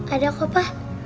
ada kok pak